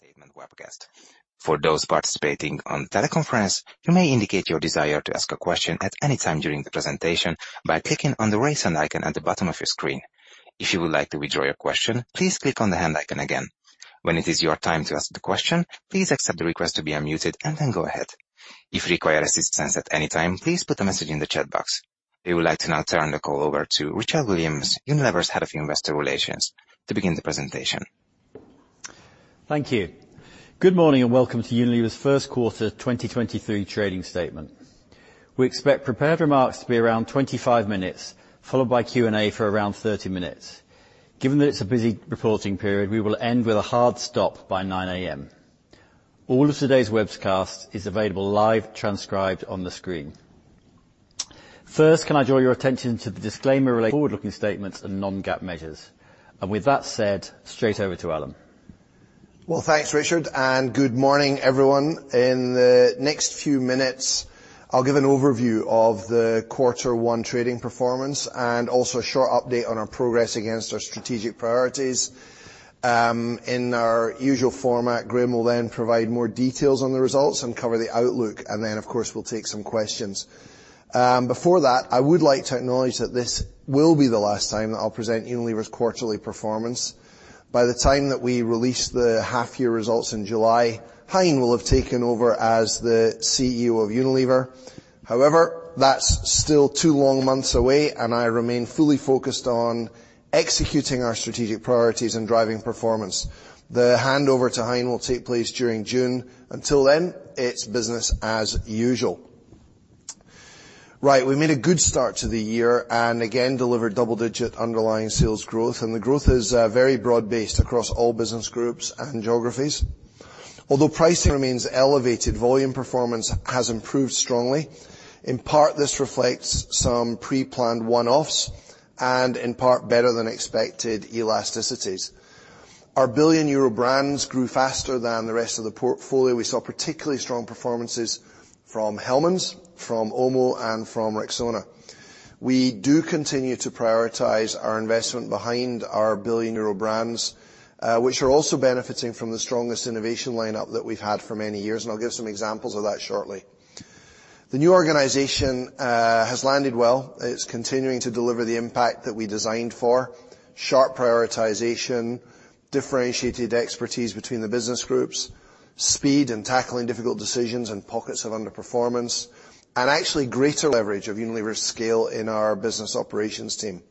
Trading statement webcast. For those participating on teleconference, you may indicate your desire to ask a question at any time during the presentation by clicking on the Raise Hand icon at the bottom of your screen. If you would like to withdraw your question, please click on the Hand icon again. When it is your time to ask the question, please accept the request to be unmuted and then go ahead. If you require assistance at any time, please put a message in the chat box. We would like to now turn the call over to Richard Williams, Unilever's Head of Investor Relations, to begin the presentation. Thank you. Good morning and welcome to Unilever's Q1 2023 trading statement. We expect prepared remarks to be around 25 minutes, followed by Q&A for around 30 minutes. Given that it's a busy reporting period, we will end with a hard stop by 9:00AM. All of today's webcast is available live transcribed on the screen. First, can I draw your attention to the disclaimer relating forward-looking statements and non-GAAP measures? With that said, straight over to Alan. Well, thanks, Richard, and good morning, everyone. In the next few minutes, I'll give an overview of the quarter one trading performance and also a short update on our progress against our strategic priorities. In our usual format, Graeme will provide more details on the results and cover the outlook. Of course, we'll take some questions. Before that, I would like to acknowledge that this will be the last time that I'll present Unilever's quarterly performance. By the time that we release the half year results in July, Hein will have taken over as the CEO of Unilever. That's still two long months away, and I remain fully focused on executing our strategic priorities and driving performance. The handover to Hein will take place during June. Until then, it's business as usual. We made a good start to the year and again, delivered double-digit underlying sales growth, and the growth is very broad-based across all business groups and geographies. Although pricing remains elevated, volume performance has improved strongly. In part, this reflects some preplanned one-offs and in part, better than expected elasticities. Our billion EUR brands grew faster than the rest of the portfolio. We saw particularly strong performances from Hellmann's, from OMO, and from Rexona. We do continue to prioritize our investment behind our billion EUR brands, which are also benefiting from the strongest innovation line-up that we've had for many years, and I'll give some examples of that shortly. The new organization has landed well. It's continuing to deliver the impact that we designed for. Sharp prioritization, differentiated expertise between the business groups, speed and tackling difficult decisions and pockets of underperformance, actually greater leverage of Unilever scale in our business operations team.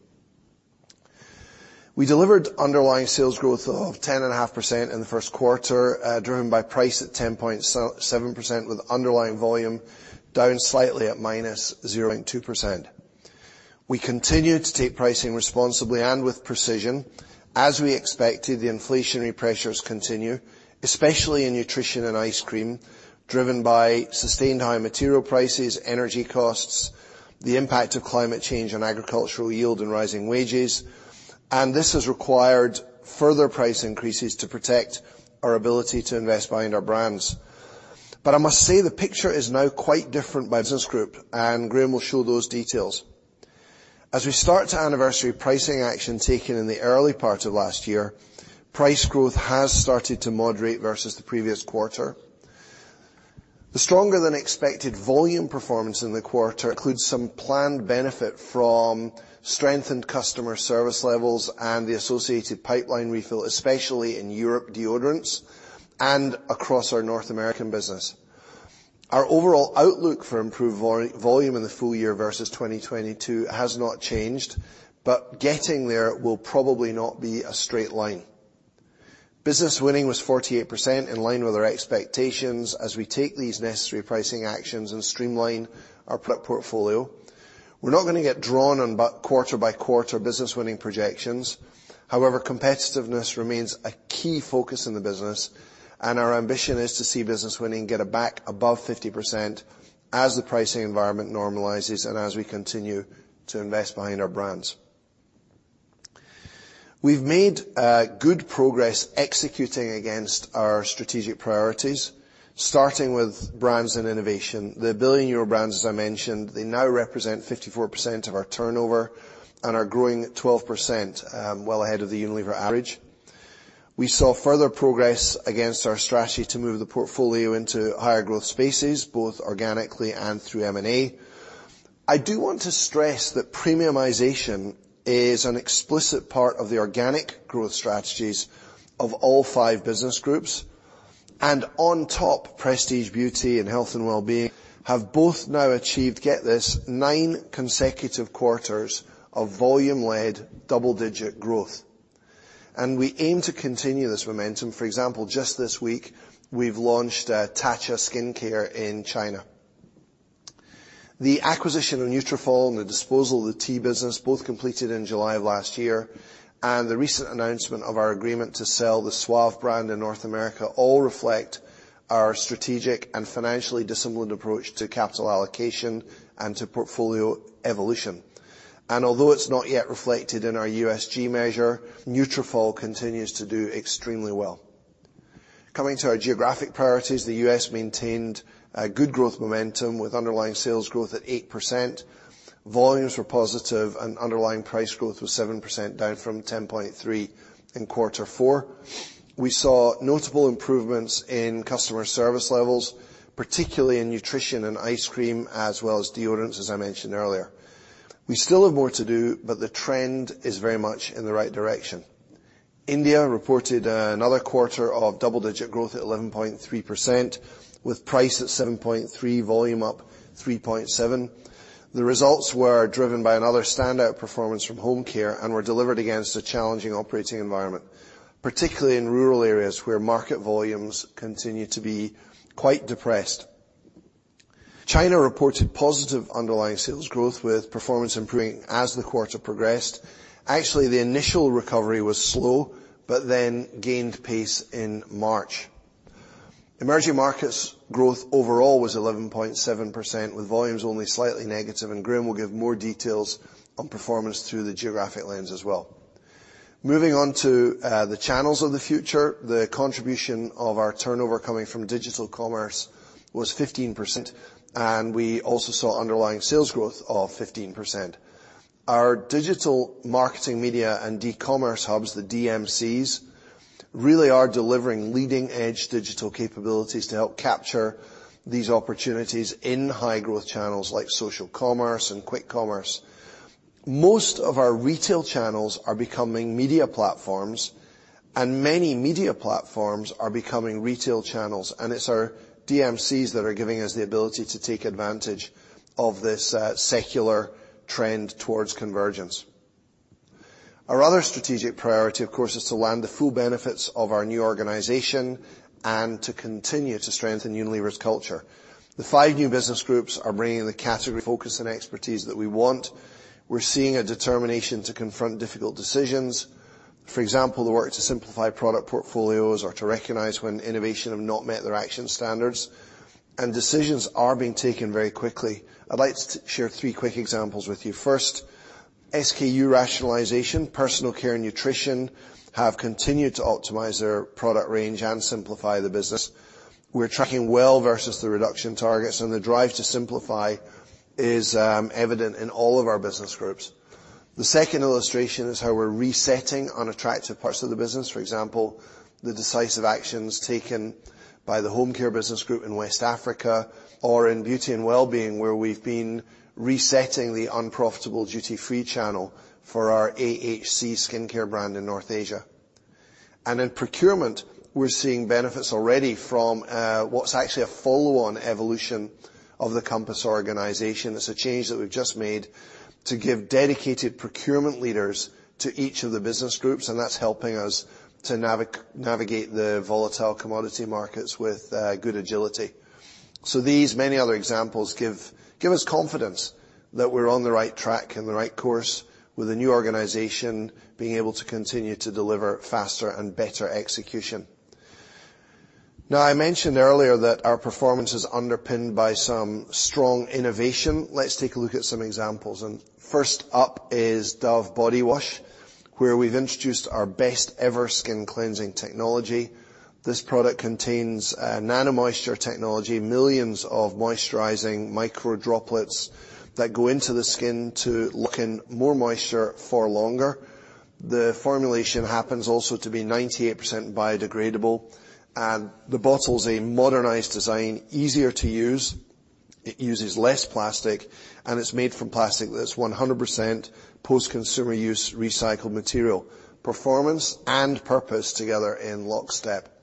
We delivered underlying sales growth of 10.5% in the Q1, driven by price at 10.7%, with underlying volume down slightly at -0.2%. We continued to take pricing responsibly and with precision. As we expected, the inflationary pressures continue, especially in nutrition and ice cream, driven by sustained high material prices, energy costs, the impact of climate change on agricultural yield and rising wages. This has required further price increases to protect our ability to invest behind our brands. I must say the picture is now quite different by business group, and Graeme will show those details. As we start to anniversary pricing action taken in the early part of last year, price growth has started to moderate versus the previous quarter. The stronger than expected volume performance in the quarter includes some planned benefit from strengthened customer service levels and the associated pipeline refill, especially in Europe deodorants and across our North American business. Our overall outlook for improved volume in the full year versus 2022 has not changed, Getting there will probably not be a straight line. Business winning was 48% in line with our expectations as we take these necessary pricing actions and streamline our portfolio. We're not going to get drawn on but quarter by quarter business winning projections. However, competitiveness remains a key focus in the business. Our ambition is to see business winning get back above 50% as the pricing environment normalizes and as we continue to invest behind our brands. We've made good progress executing against our strategic priorities, starting with brands and innovation. The billion euro brands, as I mentioned, they now represent 54% of our turnover and are growing at 12%, well ahead of the Unilever average. We saw further progress against our strategy to move the portfolio into higher growth spaces, both organically and through M&A. I do want to stress that premiumization is an explicit part of the organic growth strategies of all five business groups. On top, Prestige Beauty and Health & Wellbeing have both now achieved, get this, nine consecutive quarters of volume-led double-digit growth. We aim to continue this momentum. For example, just this week, we've launched Tatcha Skincare in China. The acquisition of Nutrafol and the disposal of the tea business both completed in July of last year, and the recent announcement of our agreement to sell the Suave brand in North America all reflect our strategic and financially disciplined approach to capital allocation and to portfolio evolution. Although it's not yet reflected in our USG measure, Nutrafol continues to do extremely well. Coming to our geographic priorities, the US maintained good growth momentum with underlying sales growth at 8%. Volumes were positive, and underlying price growth was 7%, down from 10.3% in Q4. We saw notable improvements in customer service levels, particularly in nutrition and ice cream, as well as deodorants, as I mentioned earlier. We still have more to do, but the trend is very much in the right direction. India reported another quarter of double-digit growth at 11.3%, with price at 7.3%, volume up 3.7%. The results were driven by another standout performance from Home Care and were delivered against a challenging operating environment, particularly in rural areas where market volumes continue to be quite depressed. China reported positive underlying sales growth, with performance improving as the quarter progressed. Actually, the initial recovery was slow, gained pace in March. Emerging markets growth overall was 11.7%, with volumes only slightly negative. Graeme will give more details on performance through the geographic lens as well. Moving on to the channels of the future, the contribution of our turnover coming from digital commerce was 15%. We also saw underlying sales growth of 15%. Our digital marketing media and D-commerce hubs, the DMCs, really are delivering leading-edge digital capabilities to help capture these opportunities in high-growth channels like social commerce and quick commerce. Most of our retail channels are becoming media platforms, and many media platforms are becoming retail channels, and it's our DMCs that are giving us the ability to take advantage of this secular trend towards convergence. Our other strategic priority, of course, is to land the full benefits of our new organization and to continue to strengthen Unilever's culture. The five new business groups are bringing the category focus and expertise that we want. We're seeing a determination to confront difficult decisions. For example, the work to simplify product portfolios or to recognize when innovation have not met their action standards. Decisions are being taken very quickly. I'd like to share three quick examples with you. First, SKU rationalization. Personal care and nutrition have continued to optimize their product range and simplify the business. We're tracking well versus the reduction targets, and the drive to simplify is evident in all of our business groups. The second illustration is how we're resetting unattractive parts of the business. For example, the decisive actions taken by the Home Care business group in West Africa or in Beauty and Wellbeing, where we've been resetting the unprofitable duty-free channel for our AHC skincare brand in North Asia. In procurement, we're seeing benefits already from what's actually a follow-on evolution of the Compass organization. It's a change that we've just made to give dedicated procurement leaders to each of the business groups, and that's helping us to navigate the volatile commodity markets with good agility. These many other examples give us confidence that we're on the right track and the right course with the new organization being able to continue to deliver faster and better execution. I mentioned earlier that our performance is underpinned by some strong innovation. Let's take a look at some examples. First up is Dove body wash, where we've introduced our best ever skin cleansing technology. This product contains a nano moisture technology, millions of moisturizing micro droplets that go into the skin to lock in more moisture for longer. The formulation happens also to be 98% biodegradable, and the bottle's a modernized design, easier to use. It uses less plastic, and it's made from plastic that's 100% post-consumer use recycled material. Performance and purpose together in lockstep.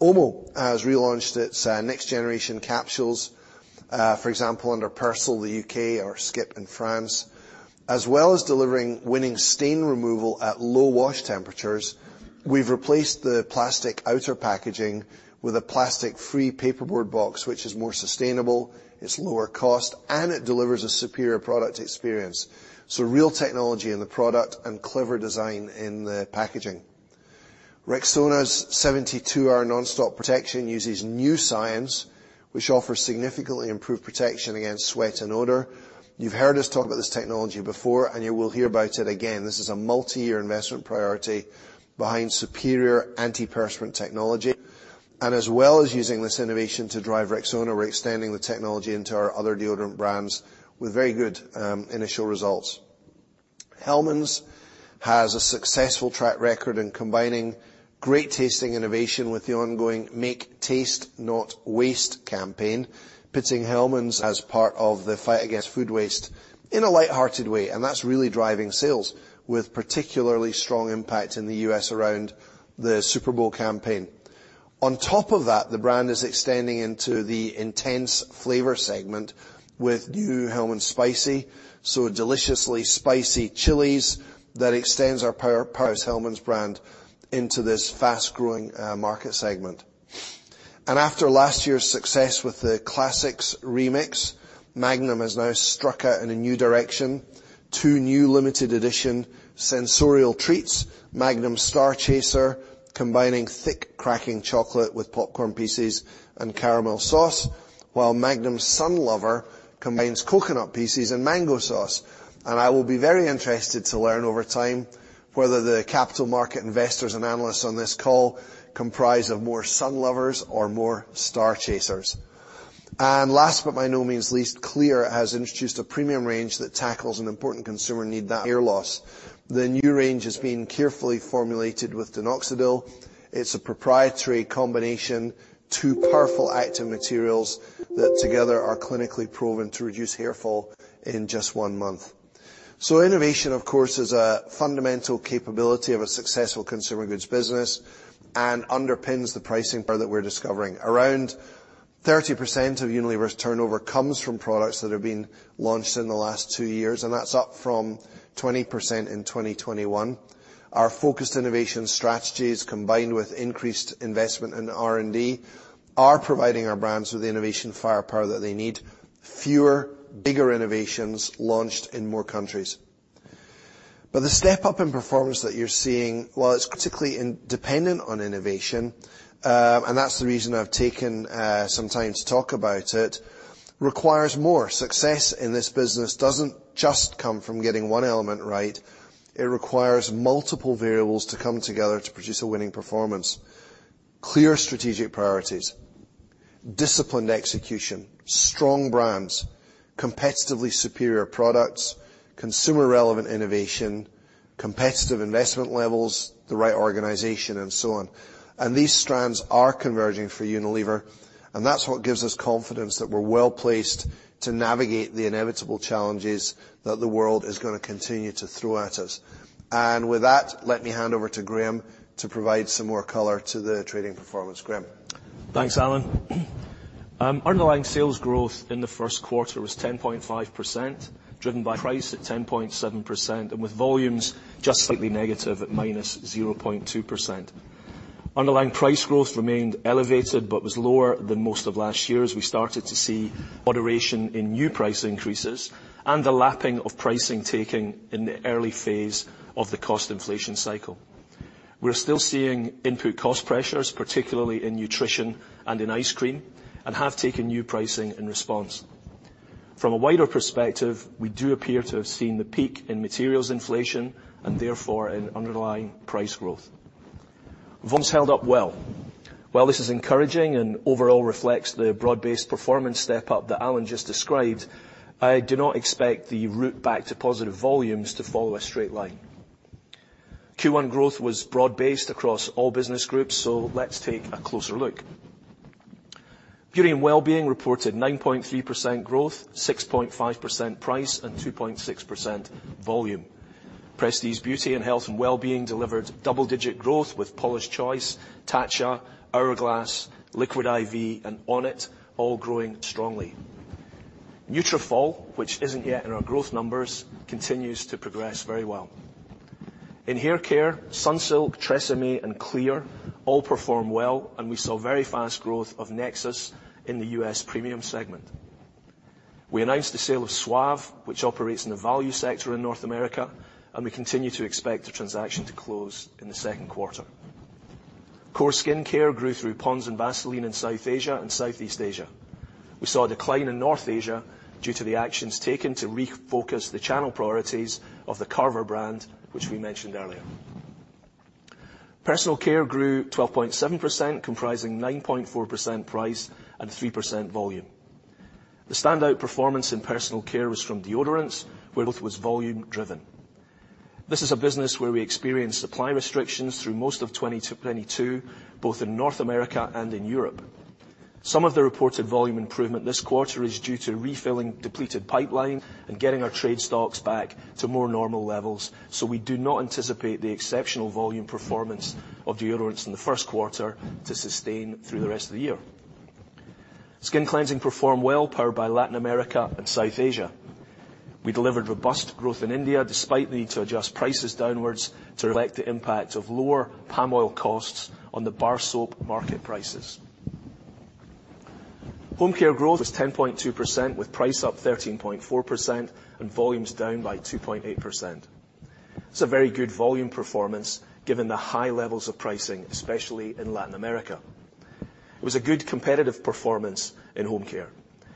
Omo has relaunched its next generation capsules, for example, under Persil, the UK or Skip in France. As well as delivering winning stain removal at low wash temperatures, we've replaced the plastic outer packaging with a plastic-free paperboard box, which is more sustainable, it's lower cost, and it delivers a superior product experience. Real technology in the product and clever design in the packaging. Rexona's 72-hour nonstop protection uses new science, which offers significantly improved protection against sweat and odor. You've heard us talk about this technology before, and you will hear about it again. This is a multi-year investment priority behind superior antiperspirant technology. As well as using this innovation to drive Rexona, we're extending the technology into our other deodorant brands with very good initial results. Hellmann's has a successful track record in combining great-tasting innovation with the ongoing Make Taste Not Waste campaign, putting Hellmann's as part of the fight against food waste in a lighthearted way. That's really driving sales with particularly strong impact in the US around the Super Bowl campaign. On top of that, the brand is extending into the intense flavor segment with new Hellmann's Spicy, deliciously spicy chilies that extends our powerful Hellmann's brand into this fast-growing market segment. After last year's success with the Classics Remix, Magnum has now struck out in a new direction. Two new limited edition sensorial treats, Magnum Starchaser, combining thick cracking chocolate with popcorn pieces and caramel sauce, while Magnum Sunlover combines coconut pieces and mango sauce. I will be very interested to learn over time whether the capital market investors and analysts on this call comprise of more Sunlovers or more Starchasers. Last, but by no means least, Clear has introduced a premium range that tackles an important consumer need, hair loss. The new range is being carefully formulated with minoxidil. It's a proprietary combination, two powerful active materials that together are clinically proven to reduce hair fall in just one month. Innovation, of course, is a fundamental capability of a successful consumer goods business and underpins the pricing power that we're discovering. Around 30% of Unilever's turnover comes from products that have been launched in the last two years, and that's up from 20% in 2021. Our focused innovation strategies, combined with increased investment in R&D, are providing our brands with the innovation firepower that they need, fewer, bigger innovations launched in more countries. The step up in performance that you're seeing, while it's critically dependent on innovation, and that's the reason I've taken some time to talk about it, requires more. Success in this business doesn't just come from getting one element right. It requires multiple variables to come together to produce a winning performance. Clear strategic priorities, disciplined execution, strong brands, competitively superior products, consumer-relevant innovation, competitive investment levels, the right organization, and so on. These strands are converging for Unilever, and that's what gives us confidence that we're well-placed to navigate the inevitable challenges that the world is going to continue to throw at us. With that, let me hand over to Graeme to provide some more color to the trading performance. Graeme? Thanks, Alan. Underlying sales growth in the Q1 was 10.5%, driven by price at 10.7%, and with volumes just slightly negative at -0.2%. Underlying price growth remained elevated, but was lower than most of last year as we started to see moderation in new price increases and the lapping of pricing taking in the early phase of the cost inflation cycle. We're still seeing input cost pressures, particularly in nutrition and in ice cream, and have taken new pricing in response. From a wider perspective, we do appear to have seen the peak in materials inflation and therefore in underlying price growth. Volumes held up well. While this is encouraging and overall reflects the broad-based performance step up that Alan just described, I do not expect the route back to positive volumes to follow a straight line. Q1 growth was broad-based across all business groups. Let's take a closer look. Beauty & Wellbeing reported 9.3% growth, 6.5% price, and 2.6% volume. Prestige Beauty and Health & Wellbeing delivered double-digit growth with Paula's Choice, Tatcha, Hourglass, Liquid I.V., and Onnit all growing strongly. Nutrafol, which isn't yet in our growth numbers, continues to progress very well. In hair care, Sunsilk, TRESemmé, and Clear all perform well, and we saw very fast growth of Nexxus in the US premium segment. We announced the sale of Suave, which operates in the value sector in North America. We continue to expect the transaction to close in the Q2. Core skincare grew through Pond's and Vaseline in South Asia and Southeast Asia. We saw a decline in North Asia due to the actions taken to refocus the channel priorities of the Carver brand, which we mentioned earlier. Personal care grew 12.7%, comprising 9.4% price and 3% volume. The standout performance in personal care was from deodorants, where growth was volume driven. This is a business where we experienced supply restrictions through most of 2022, both in North America and in Europe. Some of the reported volume improvement this quarter is due to refilling depleted pipeline and getting our trade stocks back to more normal levels. We do not anticipate the exceptional volume performance of deodorants in the Q1 to sustain through the rest of the year. Skin cleansing performed well, powered by Latin America and South Asia. We delivered robust growth in India despite the need to adjust prices downwards to reflect the impact of lower palm oil costs on the bar soap market prices. Home Care growth is 10.2%, with price up 13.4% and volumes down by 2.8%. It's a very good volume performance given the high levels of pricing, especially in Latin America. It was a good competitive performance in Home Care.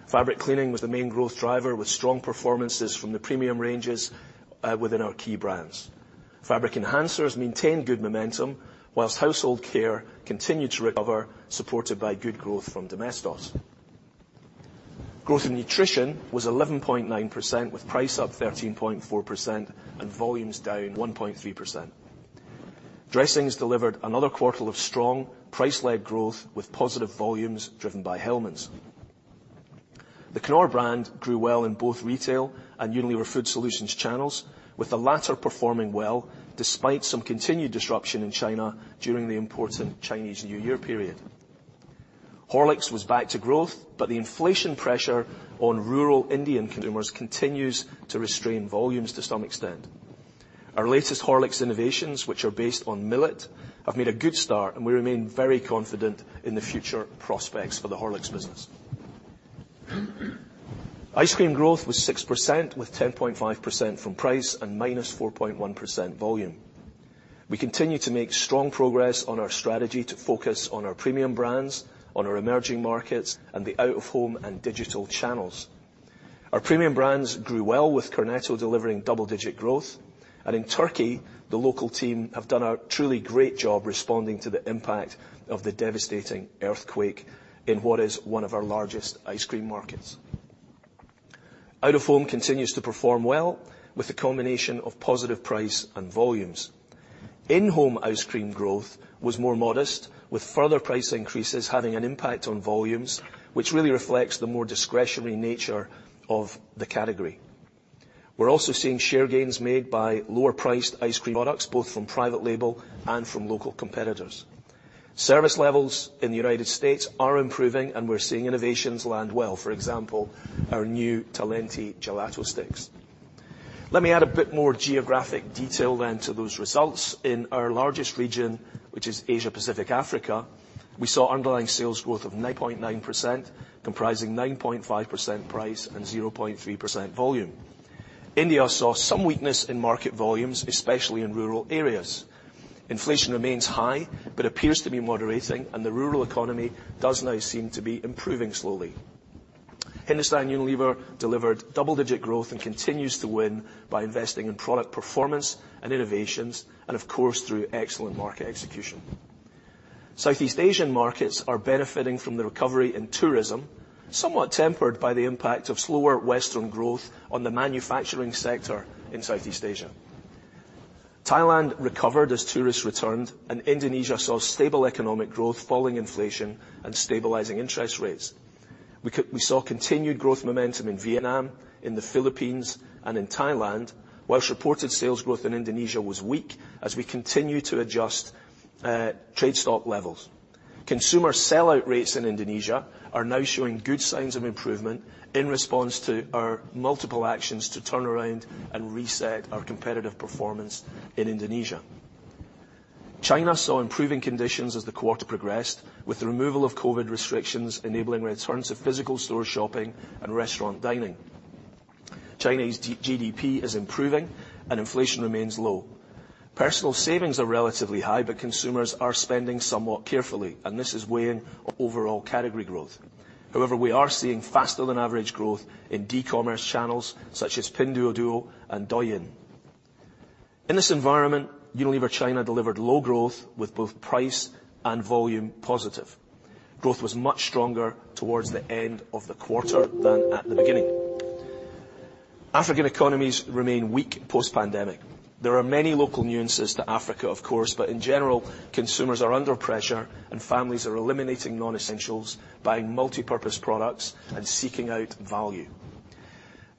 Fabric Cleaning was the main growth driver, with strong performances from the premium ranges within our key brands. Fabric Enhancers maintained good momentum, whilst Household Care continued to recover, supported by good growth from Domestos. Growth in Nutrition was 11.9%, with price up 13.4% and volumes down 1.3%. Dressings delivered another quarter of strong price-led growth with positive volumes driven by Hellmann's. The Knorr brand grew well in both retail and Unilever Food Solutions channels, with the latter performing well despite some continued disruption in China during the important Chinese New Year period. Horlicks was back to growth, the inflation pressure on rural Indian consumers continues to restrain volumes to some extent. Our latest Horlicks innovations, which are based on millet, have made a good start, and we remain very confident in the future prospects for the Horlicks business. Ice cream growth was 6% with 10.5% from price and -4.1% volume. We continue to make strong progress on our strategy to focus on our premium brands, on our emerging markets, and the out-of-home and digital channels. Our premium brands grew well with Cornetto delivering double-digit growth. In Turkey, the local team have done a truly great job responding to the impact of the devastating earthquake in what is one of our largest ice cream markets. Out of home continues to perform well with the combination of positive price and volumes. In-home ice cream growth was more modest, with further price increases having an impact on volumes, which really reflects the more discretionary nature of the category. We're also seeing share gains made by lower-priced ice cream products, both from private label and from local competitors. Service levels in the United States are improving, and we're seeing innovations land well, for example, our new Talenti Gelato sticks. Let me add a bit more geographic detail then to those results. In our largest region, which is Asia, Pacific, Africa, we saw underlying sales growth of 9.9%, comprising 9.5% price and 0.3% volume. India saw some weakness in market volumes, especially in rural areas. Inflation remains high but appears to be moderating, and the rural economy does now seem to be improving slowly. Hindustan Unilever delivered double-digit growth and continues to win by investing in product performance and innovations and of course, through excellent market execution. Southeast Asian markets are benefiting from the recovery in tourism, somewhat tempered by the impact of slower Western growth on the manufacturing sector in Southeast Asia. Thailand recovered as tourists returned, and Indonesia saw stable economic growth, falling inflation, and stabilizing interest rates. We saw continued growth momentum in Vietnam, in the Philippines, and in Thailand, whilst reported sales growth in Indonesia was weak as we continue to adjust trade stock levels. Consumer sell-out rates in Indonesia are now showing good signs of improvement in response to our multiple actions to turn around and reset our competitive performance in Indonesia. China saw improving conditions as the quarter progressed, with the removal of COVID restrictions enabling returns to physical store shopping and restaurant dining. China's GDP is improving, and inflation remains low. Personal savings are relatively high, but consumers are spending somewhat carefully, and this is weighing on overall category growth. However, we are seeing faster than average growth in D-commerce channels such as Pinduoduo and Douyin. In this environment, Unilever China delivered low growth with both price and volume positive. Growth was much stronger towards the end of the quarter than at the beginning. African economies remain weak post-pandemic. There are many local nuances to Africa, of course, but in general, consumers are under pressure, and families are eliminating non-essentials, buying multipurpose products, and seeking out value.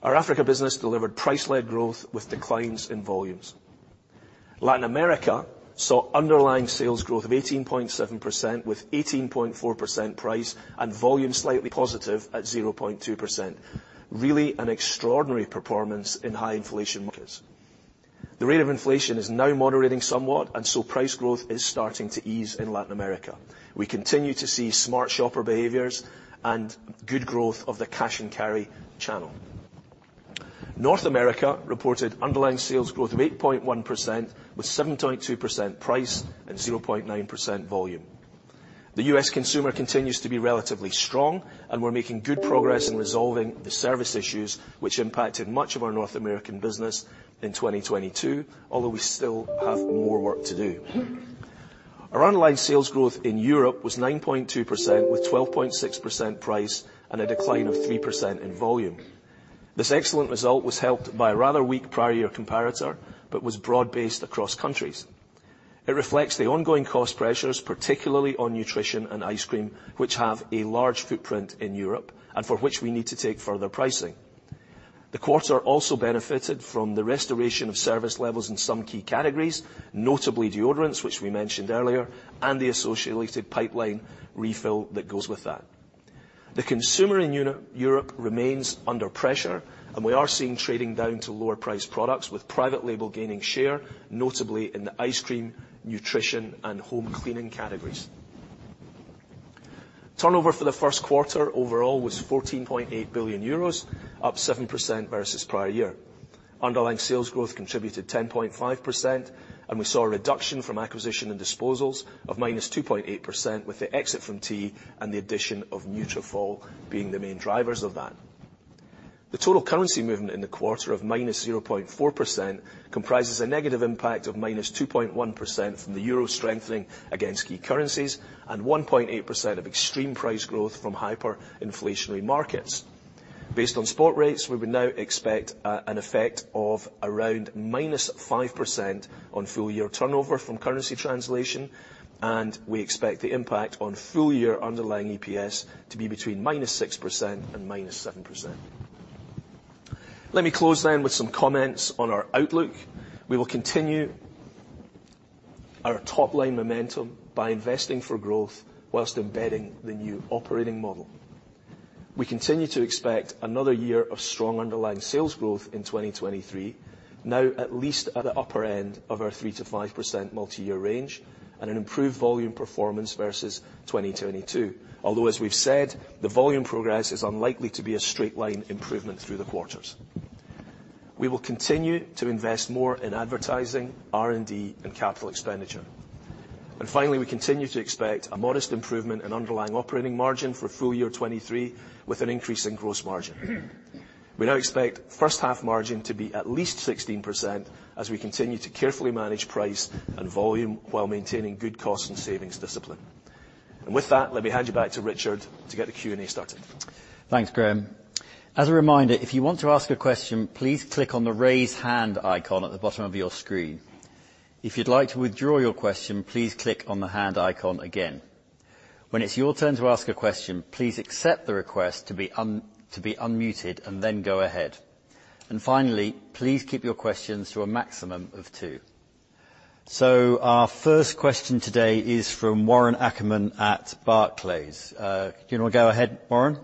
Our Africa business delivered price-led growth with declines in volumes. Latin America saw underlying sales growth of 18.7%, with 18.4% price and volume slightly positive at 0.2%. Really an extraordinary performance in high inflation markets. The rate of inflation is now moderating somewhat, and so price growth is starting to ease in Latin America. We continue to see smart shopper behaviors and good growth of the cash and carry channel. North America reported underlying sales growth of 8.1%, with 7.2% price and 0.9% volume. The US consumer continues to be relatively strong, and we're making good progress in resolving the service issues which impacted much of our North American business in 2022, although we still have more work to do. Our underlying sales growth in Europe was 9.2%, with 12.6% price and a decline of 3% in volume. This excellent result was helped by a rather weak prior year comparator but was broad-based across countries. It reflects the ongoing cost pressures, particularly on nutrition and ice cream, which have a large footprint in Europe and for which we need to take further pricing. The quarter also benefited from the restoration of service levels in some key categories, notably deodorants, which we mentioned earlier, and the associated pipeline refill that goes with that. The consumer in Uni-Europe remains under pressure. We are seeing trading down to lower-priced products with private label gaining share, notably in the ice cream, nutrition, and home cleaning categories. Turnover for the Q1 overall was 14.8 billion euros, up 7% versus prior year. Underlying sales growth contributed 10.5%, and we saw a reduction from acquisition and disposals of -2.8%, with the exit from tea and the addition of Nutrafol being the main drivers of that. The total currency movement in the quarter of -0.4% comprises a negative impact of -2.1% from the euro strengthening against key currencies and 1.8% of extreme price growth from hyperinflationary markets. Based on spot rates, we would now expect an effect of around -5% on full year turnover from currency translation. We expect the impact on full year underlying EPS to be between -6% and -7%. Let me close with some comments on our outlook. We will continue our top-line momentum by investing for growth whilst embedding the new operating model. We continue to expect another year of strong underlying sales growth in 2023, now at least at the upper end of our 3%-5% multi-year range and an improved volume performance versus 2022. As we've said, the volume progress is unlikely to be a straight line improvement through the quarters. We will continue to invest more in advertising, R&D, and capital expenditure. Finally, we continue to expect a modest improvement in underlying operating margin for full year 2023, with an increase in gross margin. We now expect H1 margin to be at least 16% as we continue to carefully manage price and volume while maintaining good cost and savings discipline. With that, let me hand you back to Richard to get the Q&A started. Thanks, Graeme. As a reminder, if you want to ask a question, please click on the Raise Hand icon at the bottom of your screen. If you'd like to withdraw your question, please click on the Hand icon again. When it's your turn to ask a question, please accept the request to be unmuted and then go ahead. Finally, please keep your questions to a maximum of two. Our first question today is from Warren Ackerman at Barclays. You want to go ahead, Warren?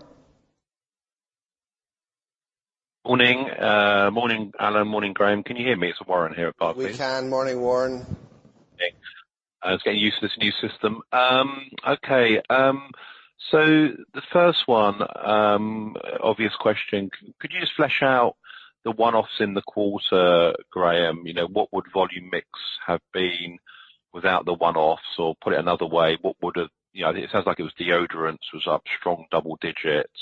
Morning. Morning, Alan. Morning, Graeme. Can you hear me? It's Warren here at Barclays. We can. Morning, Warren. Thanks. I was getting used to this new system. The first one, obvious question, could you just flesh out the one-offs in the quarter, Graeme? You know, what would volume mix have been without the one-offs? Or put it another way, what would, you know, it sounds like it was deodorants was up strong double digits,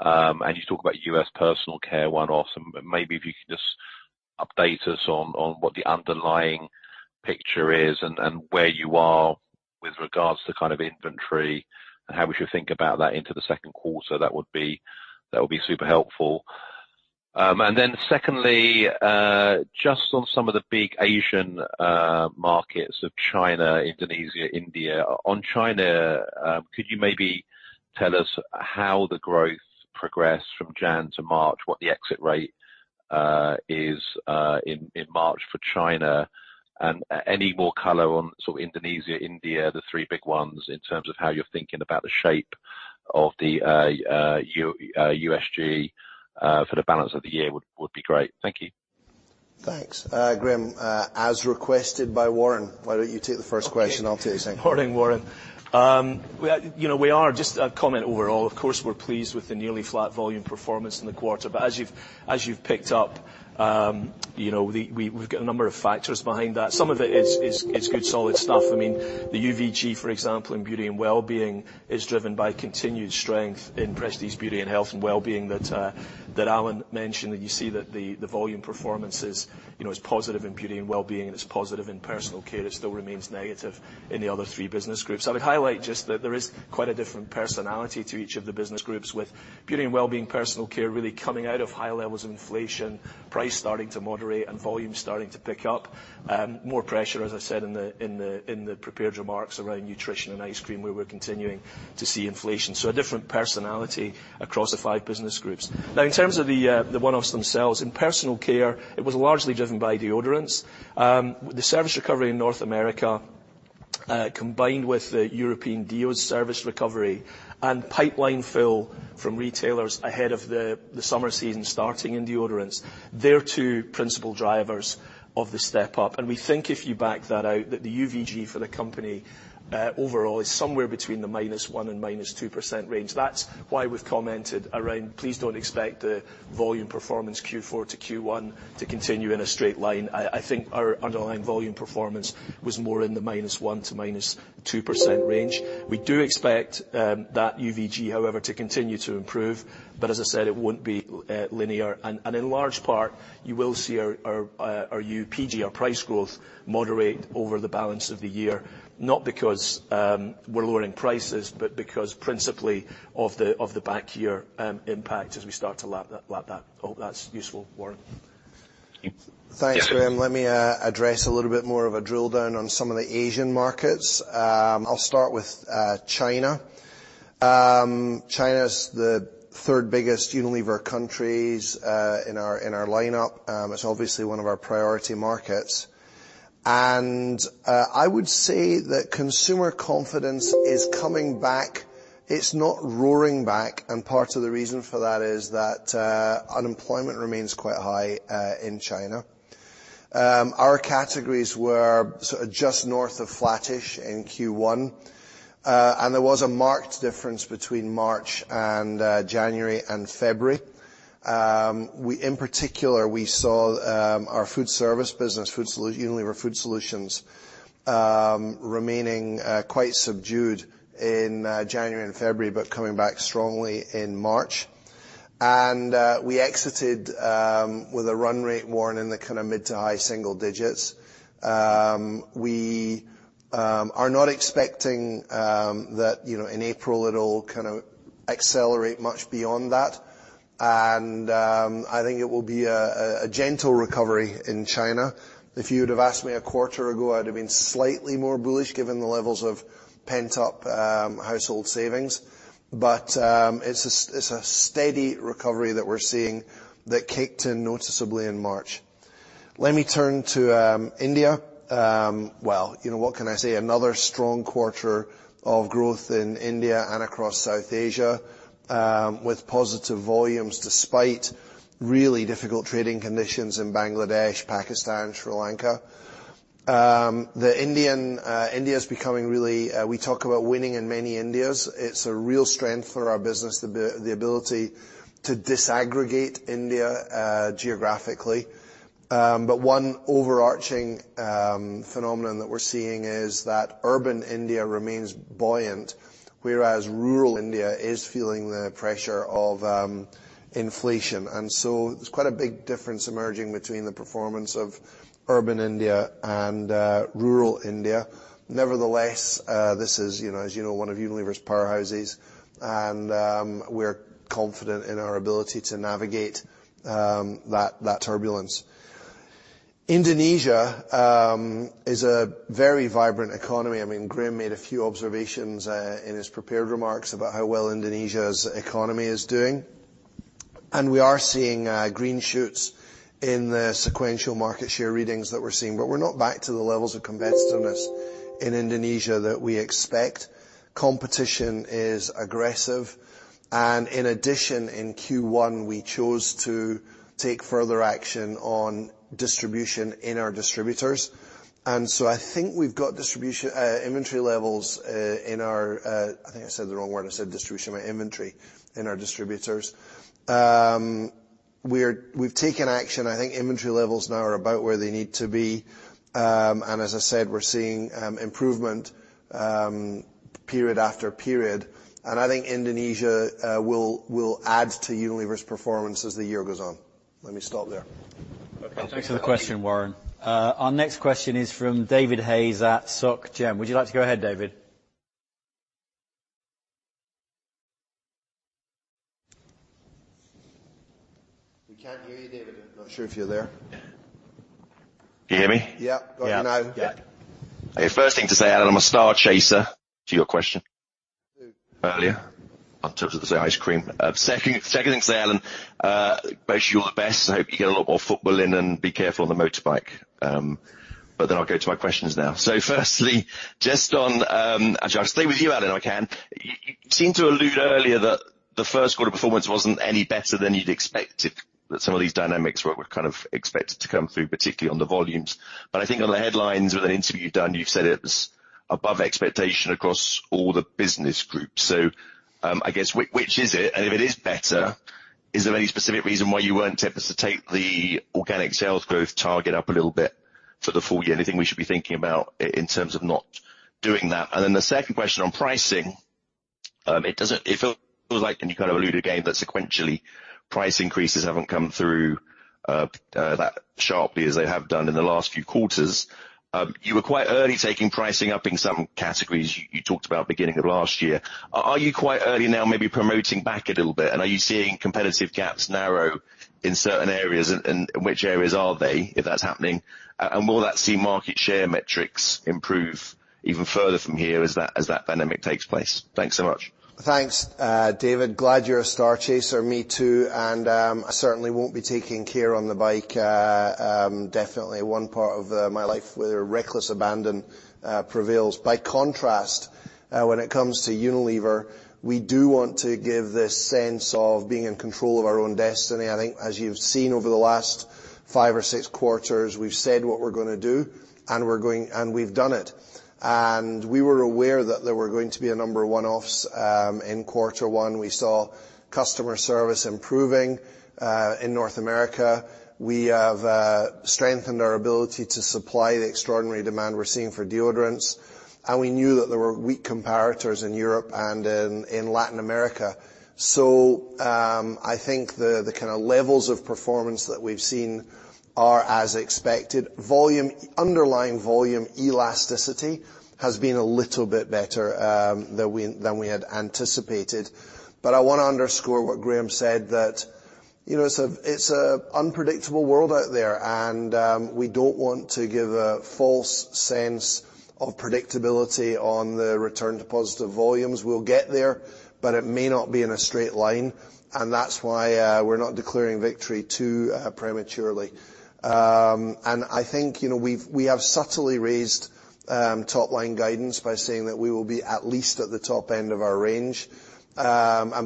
and you talk about US personal care one-offs. Maybe if you could just update us on what the underlying picture is and where you are with regards to kind of inventory and how we should think about that into the Q2. That would be super helpful. Then secondly, just on some of the big Asian markets of China, Indonesia, India. On China, could you maybe tell us how the growth progressed from January to March, what the exit rate is in March for China? Any more color on sort of Indonesia, India, the three big ones, in terms of how you're thinking about the shape of the USG for the balance of the year would be great. Thank you. Thanks. Graeme, as requested by Warren, why don't you take the first question? I'll take the second. Morning, Warren. We, you know, we are just a comment overall. Of course, we're pleased with the nearly flat volume performance in the quarter, but as you've picked up, you know, we've got a number of factors behind that. Some of it is good solid stuff. I mean, the UVG, for example, in Beauty & Wellbeing is driven by continued strength in Prestige Beauty and Health & Wellbeing that Alan mentioned. You see that the volume performance is, you know, positive in Beauty & Wellbeing, and it's positive in Personal Care. It still remains negative in the other three business groups. I would highlight just that there is quite a different personality to each of the business groups with Beauty & Wellbeing, Personal Care, really coming out of high levels of inflation, price starting to moderate, and volume starting to pick up. More pressure, as I said, in the prepared remarks around Nutrition and Ice Cream, where we're continuing to see inflation. A different personality across the five business groups. Now, in terms of the one-offs themselves, in Personal Care, it was largely driven by deodorants. The service recovery in North America, combined with the European deo service recovery and pipeline fill from retailers ahead of the summer season starting in deodorants, they're two principal drivers of the step up. We think if you back that out, that the UVG for the company overall is somewhere between the -1% and -2% range. That's why we've commented around, please don't expect the volume performance Q4 to Q1 to continue in a straight line. I think our underlying volume performance was more in the -1% to -2% range. We do expect that UVG, however, to continue to improve, but as I said, it won't be linear. In large part, you will see our UPG, our price growth moderate over the balance of the year, not because we're lowering prices, but because principally of the back year impact as we start to lap that. I hope that's useful, Warren. Thank you. Thanks, Graeme. Let me address a little bit more of a drill down on some of the Asian markets. I'll start with China. China's the third biggest Unilever countries in our lineup. It's obviously one of our priority markets. I would say that consumer confidence is coming back. It's not roaring back, and part of the reason for that is that unemployment remains quite high in China. Our categories were sort of just north of flattish in Q1. There was a marked difference between March and January and February. We, in particular, we saw our food service business, Unilever Food Solutions, remaining quite subdued in January and February, but coming back strongly in March. We exited with a run rate, Warren, in the kind of mid to high single digits. We are not expecting that, you know, in April it'll kind of accelerate much beyond that, and I think it will be a gentle recovery in China. If you would have asked me a quarter ago, I'd have been slightly more bullish given the levels of pent-up household savings. It's a steady recovery that we're seeing that kicked in noticeably in March. Let me turn to India. Well, you know, what can I say? Another strong quarter of growth in India and across South Asia, with positive volumes despite really difficult trading conditions in Bangladesh, Pakistan, Sri Lanka. The Indian India's becoming really, we talk about winning in many India's. It's a real strength for our business, the ability to disaggregate India geographically. But one overarching phenomenon that we're seeing is that urban India remains buoyant, whereas rural India is feeling the pressure of inflation. There's quite a big difference emerging between the performance of urban India and rural India. Nevertheless, this is, you know, as you know, one of Unilever's powerhouses, and we're confident in our ability to navigate that turbulence. Indonesia is a very vibrant economy. I mean, Graeme made a few observations in his prepared remarks about how well Indonesia's economy is doing. We are seeing green shoots in the sequential market share readings that we're seeing, but we're not back to the levels of competitiveness in Indonesia that we expect. Competition is aggressive. In addition, in Q1, we chose to take further action on distribution in our distributors. I think we've got distribution, inventory levels in our. I think I said the wrong word. I said distribution. My inventory in our distributors. We've taken action. I think inventory levels now are about where they need to be. As I said, we're seeing improvement period after period. I think Indonesia will add to Unilever's performance as the year goes on. Let me stop there. Okay. Thanks for the question, Warren. Our next question is from David Hay at Societe Generale. Would you like to go ahead, David? We can't hear you, David. I'm not sure if you're there. Can you hear me? Yeah. Yeah. Got you now. Yeah. Okay. First thing to say, Alan, I'm a Starchaser, to your question earlier on tops of the ice cream. Second thing to say, Alan, wish you all the best. I hope you get a lot more football in and be careful on the motorbike. I'll go to my questions now. Firstly, Actually, I'll stay with you, Alan, if I can. You seem to allude earlier that the Q1 performance wasn't any better than you'd expected, that some of these dynamics were kind of expected to come through, particularly on the volumes. I think on the headlines with an interview you've done, you've said it was above expectation across all the business groups. I guess which is it? If it is better, is there any specific reason why you weren't tempted to take the organic sales growth target up a little bit for the full year? Anything we should be thinking about in terms of not doing that? The second question on pricing, It feels like, and you kind of alluded again, that sequentially price increases haven't come through that sharply as they have done in the last few quarters. You were quite early taking pricing up in some categories you talked about beginning of last year. Are you quite early now, maybe promoting back a little bit? Are you seeing competitive gaps narrow in certain areas, and which areas are they, if that's happening? Will that see market share metrics improve even further from here as that dynamic takes place? Thanks so much. Thanks, David. Glad you're a Starchaser. Me too. I certainly won't be taking care on the bike. Definitely one part of my life where reckless abandon prevails. By contrast, when it comes to Unilever, we do want to give this sense of being in control of our own destiny. I think as you've seen over the last five or six quarters, we've said what we're going to do, and we're going, and we've done it. We were aware that there were going to be a number of one-offs in Q1. We saw customer service improving in North America. We have strengthened our ability to supply the extraordinary demand we're seeing for deodorants. We knew that there were weak comparators in Europe and in Latin America. I think the kind of levels of performance that we've seen are as expected. Underlying volume elasticity has been a little bit better than we had anticipated. I want to underscore what Graeme said, that, you know, it's a unpredictable world out there, and we don't want to give a false sense of predictability on the return to positive volumes. We'll get there, but it may not be in a straight line, and that's why we're not declaring victory too prematurely. I think, you know, we have subtly raised top-line guidance by saying that we will be at least at the top end of our range.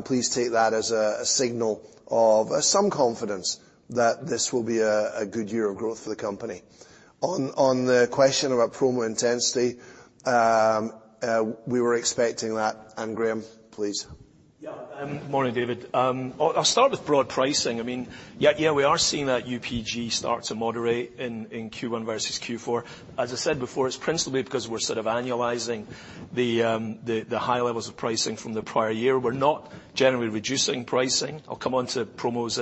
Please take that as a signal of some confidence that this will be a good year of growth for the company. On the question about promo intensity, we were expecting that. Graeme, please. Morning, David. I'll start with broad pricing. I mean, yeah, we are seeing that UPG start to moderate in Q1 versus Q4. As I said before, it's principally because we're sort of annualizing the high levels of pricing from the prior year. We're not generally reducing pricing. I'll come on to promos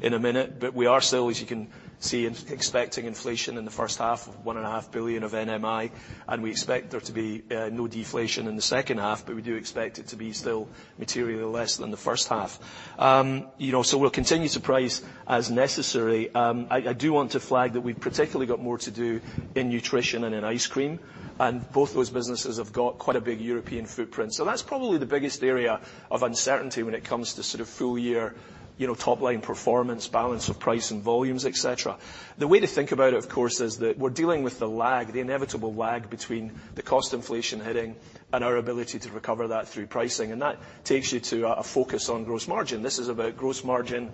in a minute, but we are still, as you can see, expecting inflation in the H1 of 1.5 billion of NMI, and we expect there to be no deflation in the second half, but we do expect it to be still materially less than the H1. You know, we'll continue to price as necessary. I do want to flag that we've particularly got more to do in nutrition and in ice cream, and both those businesses have got quite a big European footprint. That's probably the biggest area of uncertainty when it comes to sort of full year, you know, top-line performance, balance of price and volumes, et cetera. The way to think about it, of course, is that we're dealing with the lag, the inevitable lag between the cost inflation hitting and our ability to recover that through pricing, and that takes you to a focus on gross margin. This is about gross margin,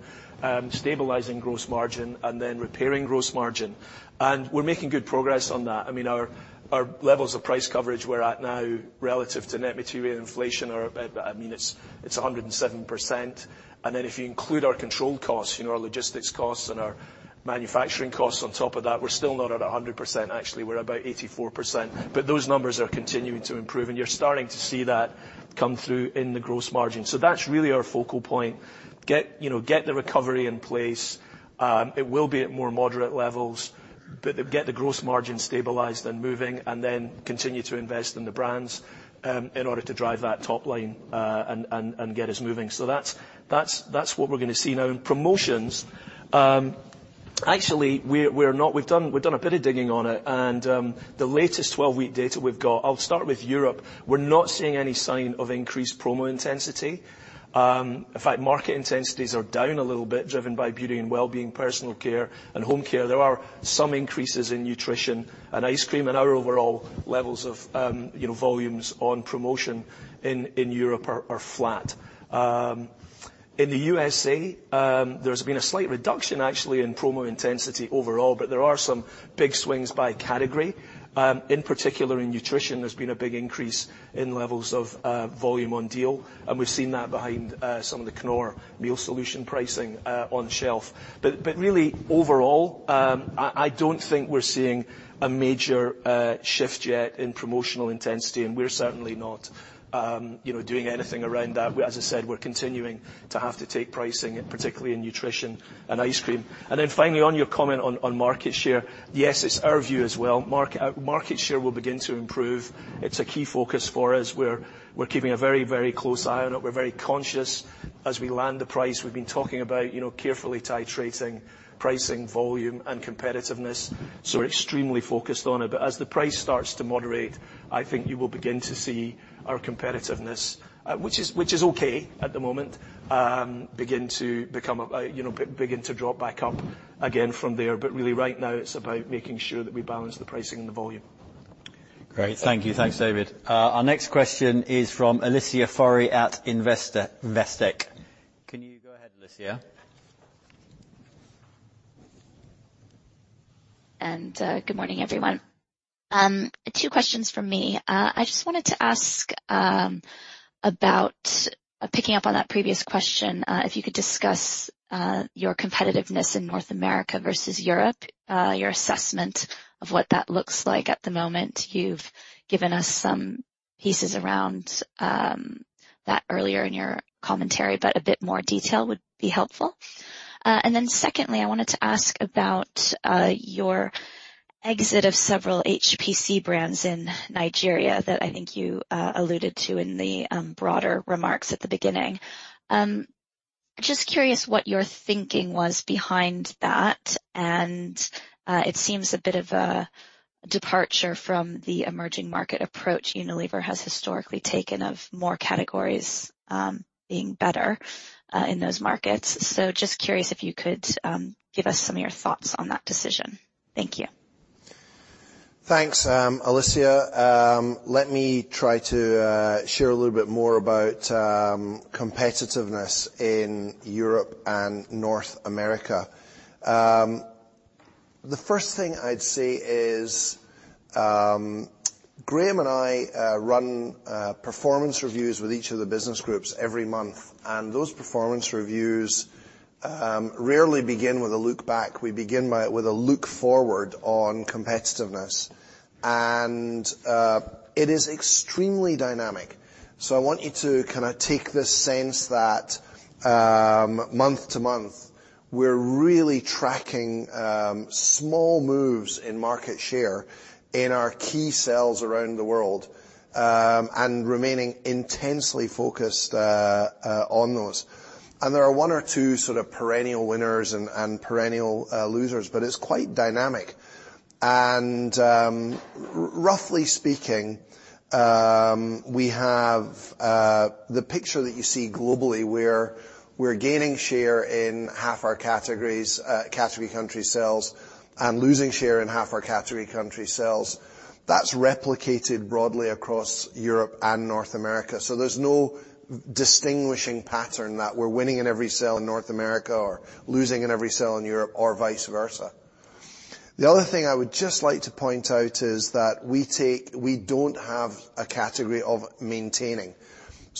stabilizing gross margin and then repairing gross margin. We're making good progress on that. I mean, our levels of price coverage we're at now relative to net material inflation are, I mean it's 107%. Then if you include our controlled costs, you know, our logistics costs and our manufacturing costs on top of that, we're still not at 100%. Actually, we're about 84%. Those numbers are continuing to improve, and you're starting to see that come through in the gross margin. That's really our focal point. Get, you know, get the recovery in place. It will be at more moderate levels, but get the gross margin stabilized and moving, and then continue to invest in the brands, in order to drive that top line, and get us moving. That's what we're going to see. In promotions, actually we're not. We've done a bit of digging on it. The latest 12-week data we've got, I'll start with Europe, we're not seeing any sign of increased promo intensity. In fact, market intensities are down a little bit, driven by Beauty & Wellbeing, Personal Care and Home Care. There are some increases in Nutrition and Ice Cream. Our overall levels of, you know, volumes on promotion in Europe are flat. In the USA, there's been a slight reduction actually in promo intensity overall. There are some big swings by category. In particular in Nutrition, there's been a big increase in levels of volume on deal. We've seen that behind some of the Knorr meal solution pricing on shelf. Really overall, I don't think we're seeing a major shift yet in promotional intensity, and we're certainly not, you know, doing anything around that. As I said, we're continuing to have to take pricing, particularly in nutrition and ice cream. Finally, on your comment on market share, yes, it's our view as well. Market share will begin to improve. It's a key focus for us. We're keeping a very close eye on it. We're very conscious as we land the price. We've been talking about, you know, carefully titrating pricing volume and competitiveness, so we're extremely focused on it. As the price starts to moderate, I think you will begin to see our competitiveness, which is okay at the moment, begin to become, you know, drop back up again from there. Really right now it's about making sure that we balance the pricing and the volume. Great. Thank you. Thanks, David. Our next question is from Alicia Forry at Investec. Can you go ahead, Alicia? Good morning, everyone. Two questions from me. I just wanted to ask about, picking up on that previous question, if you could discuss your competitiveness in North America versus Europe, your assessment of what that looks like at the moment. You've given us some pieces around that earlier in your commentary, but a bit more detail would be helpful. Secondly, I wanted to ask about your exit of several HPC brands in Nigeria that I think you alluded to in the broader remarks at the beginning. Just curious what your thinking was behind that, it seems a bit of a departure from the emerging market approach Unilever has historically taken of more categories being better in those markets. Just curious if you could give us some of your thoughts on that decision. Thank you. Thanks, Alicia. Let me try to share a little bit more about competitiveness in Europe and North America. The first thing I'd say is Graeme and I run performance reviews with each of the business groups every month. Those performance reviews rarely begin with a look back. We begin with a look forward on competitiveness. It is extremely dynamic. I want you to kind of take the sense that month to month, we're really tracking small moves in market share in our key sales around the world, and remaining intensely focused on those. There are one or two sort of perennial winners and perennial losers. It's quite dynamic. Roughly speaking, we have the picture that you see globally where we're gaining share in half our categories, category country sales, and losing share in half our category country sales. That's replicated broadly across Europe and North America. There's no distinguishing pattern that we're winning in every sale in North America or losing in every sale in Europe or vice versa. The other thing I would just like to point out is that we don't have a category of maintaining.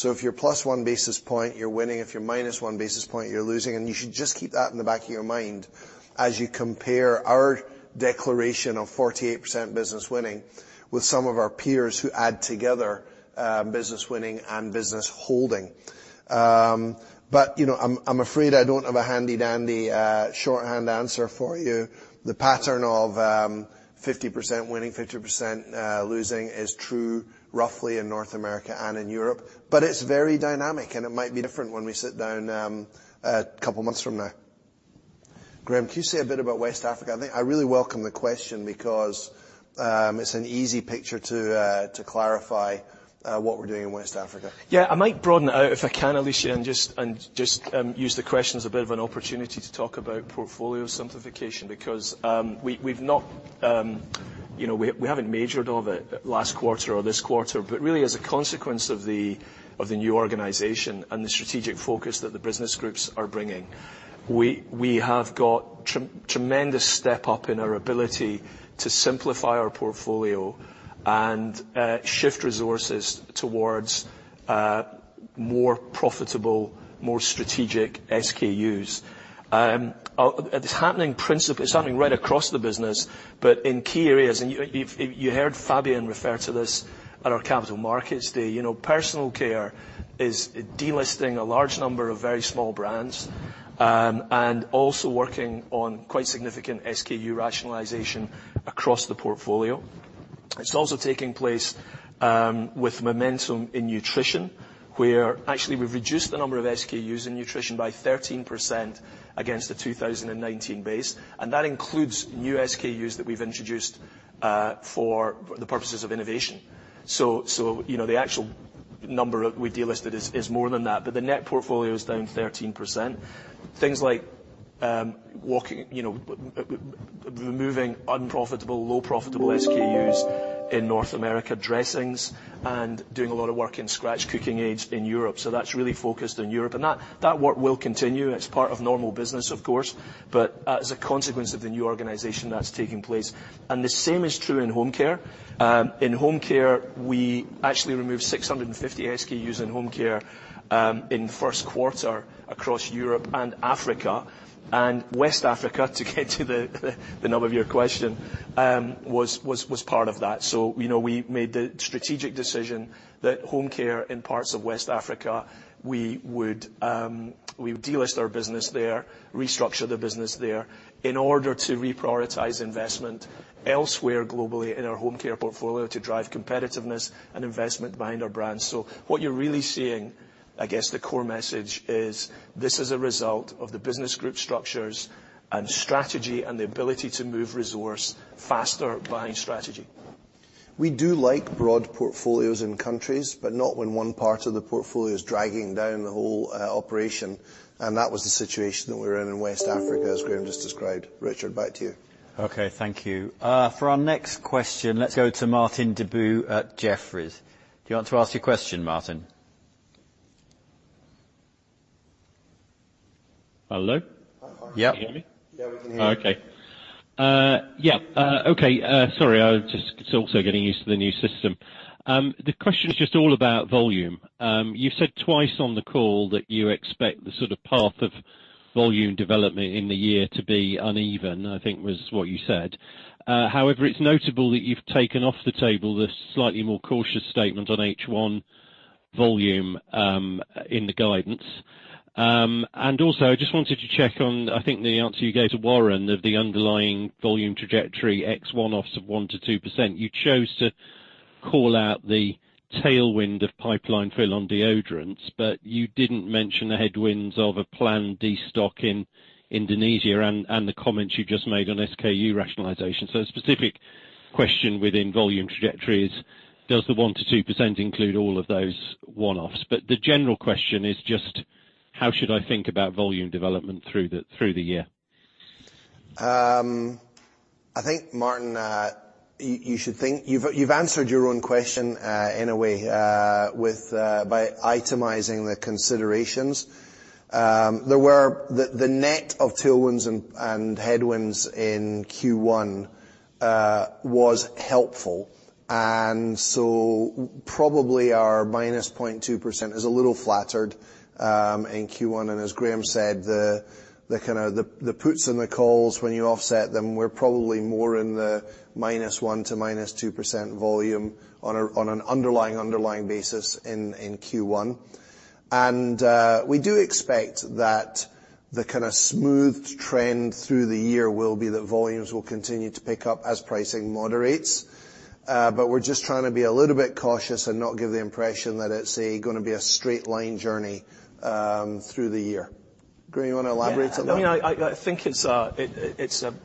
If you're plus 1 basis point, you're winning. If you're minus 1 basis point, you're losing, and you should just keep that in the back of your mind as you compare our declaration of 48% business winning with some of our peers who add together, business winning and business holding. You know, I'm afraid I don't have a handy dandy shorthand answer for you. The pattern of 50% winning, 50% losing is true roughly in North America and in Europe, but it's very dynamic, and it might be different when we sit down a couple months from now. Graeme, can you say a bit about West Africa? I really welcome the question because it's an easy picture to clarify what we're doing in West Africa. Yeah, I might broaden it out if I can, Alicia, and just use the question as a bit of an opportunity to talk about portfolio simplification, because we've not, you know, we haven't majored all of it last quarter or this quarter, but really as a consequence of the new organization and the strategic focus that the business groups are bringing, we have got tremendous step up in our ability to simplify our portfolio and shift resources towards more profitable, more strategic SKUs. It's happening right across the business, but in key areas, and you've, you heard Fabian refer to this at our capital markets day, you know, personal care is delisting a large number of very small brands, and also working on quite significant SKU rationalization across the portfolio. It's also taking place with momentum in nutrition, where actually we've reduced the number of SKUs in nutrition by 13% against the 2019 base, and that includes new SKUs that we've introduced for the purposes of innovation. The actual number we delisted is more than that, but the net portfolio is down 13%. Things like removing unprofitable, low profitable SKUs in North America dressings and doing a lot of work in scratch cooking aids in Europe. That's really focused on Europe, and that work will continue. It's part of normal business, of course, but as a consequence of the new organization that's taking place. The same is true in home care. In home care, we actually removed 650 SKUs in home care in the Q1 across Europe and Africa. West Africa, to get to the nub of your question, was part of that. You know, we made the strategic decision that home care in parts of West Africa, we would delist our business there, restructure the business there in order to reprioritize investment elsewhere globally in our home care portfolio to drive competitiveness and investment behind our brands. What you're really seeing, I guess the core message is this is a result of the Business Group structures and strategy and the ability to move resource faster behind strategy. We do like broad portfolios in countries, but not when one part of the portfolio is dragging down the whole operation. That was the situation that we were in in West Africa, as Graeme just described. Richard, back to you. Okay, thank you. For our next question, let's go to Martin Deboo at Jefferies. Do you want to ask your question, Martin? Hello? Yeah. Can you hear me? Yeah, we can hear you. Okay. Yeah, okay, sorry, I was just also getting used to the new system. The question is just all about volume. You said twice on the call that you expect the sort of path of volume development in the year to be uneven, I think was what you said. It's notable that you've taken off the table the slightly more cautious statement on H one volume in the guidance. I just wanted to check on, I think the answer you gave to Warren of the underlying volume trajectory X one-offs of 1%-2%. You chose to call out the tailwind of pipeline fill on deodorants, but you didn't mention the headwinds of a planned destock in Indonesia and the comments you just made on SKU rationalization. Specific question within volume trajectories, does the 1%-2% include all of those one-offs? The general question is just how should I think about volume development through the year? I think, Martin, you should think. You've answered your own question in a way, with by itemizing the considerations. The net of tailwinds and headwinds in Q1 was helpful. Probably our -0.2% is a little flattered in Q1, and as Graeme said, the kind of the puts and the calls when you offset them were probably more in the -1% to -2% volume on an underlying basis in Q1. We do expect that the kind of smooth trend through the year will be that volumes will continue to pick up as pricing moderates. We're just trying to be a little bit cautious and not give the impression that it's going to be a straight line journey through the year. Graeme, you want to elaborate on that? Yeah. No, I think it's a,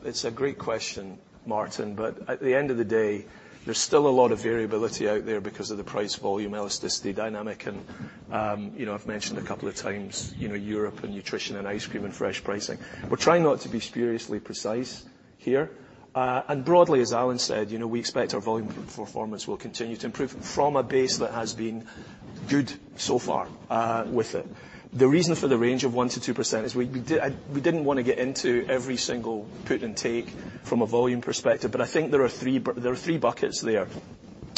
it's a great question, Martin, but at the end of the day, there's still a lot of variability out there because of the price volume, elasticity, dynamic, and, you know, I've mentioned a couple of times, you know, Europe and nutrition and ice cream and fresh pricing. We're trying not to be spuriously precise here. Broadly, as Alan said, you know, we expect our volume performance will continue to improve from a base that has been good so far, with it. The reason for the range of 1%-2% is we didn't want to get into every single put and take from a volume perspective, but I think there are three buckets there.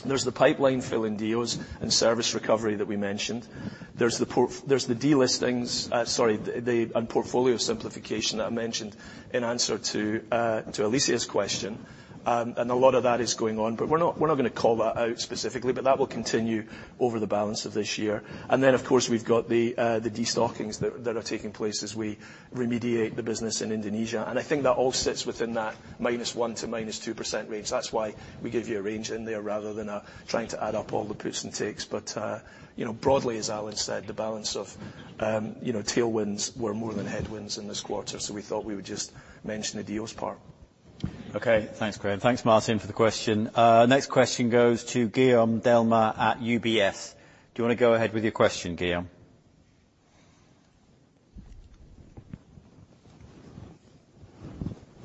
There's the pipeline fill in deals and service recovery that we mentioned. There's the delistings, sorry, the, and portfolio simplification that I mentioned in answer to Alicia's question. A lot of that is going on, but we're not going to call that out specifically, but that will continue over the balance of this year. Then, of course, we've got the destockings that are taking place as we remediate the business in Indonesia. I think that all sits within that -1% to -2% range. That's why we give you a range in there rather than trying to add up all the puts and takes. You know, broadly, as Alan said, the balance of, you know, tailwinds were more than headwinds in this quarter, so we thought we would just mention the deals part. Okay, thanks, Graeme. Thanks, Martin, for the question. Next question goes to Guillaume Delmas at UBS. Do you want to go ahead with your question, Guillaume?